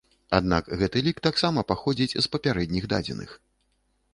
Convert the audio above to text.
Аднак гэты лік таксама паходзіць з папярэдніх дадзеных.